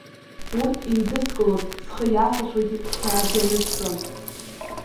Урҭ еидыскылон, схы иааҭашәогьы сқьаад инанысҵон.